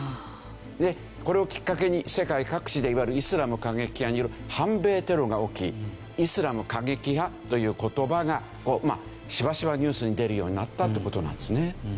でこれをきっかけに世界各地でいわゆるイスラム過激派による反米テロが起き「イスラム過激派」という言葉がしばしばニュースに出るようになったっていう事なんですね。